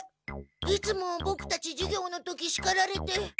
いつもボクたち授業の時しかられて。